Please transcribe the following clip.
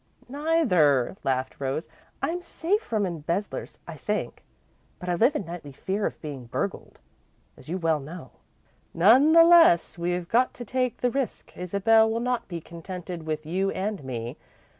"Neither," laughed Rose. "I'm safe from embezzlers, I think, but I live in nightly fear of being burgled, as you well know." "None the less, we've got to take the risk. Isabel will not be contented with you and me.